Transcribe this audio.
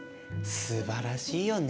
すばらしいよね。